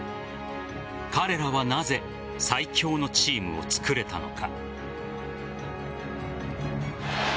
彼らは、なぜ最強のチームをつくれたのか。